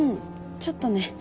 ちょっとね。